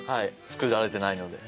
作られてないので。